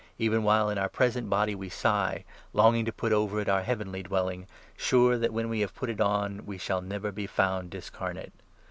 Even while in our 2 present body we sigh, longing to put over it our heavenly dwelling, sure that, when we have put it on, we shall never be 3 found discarnate.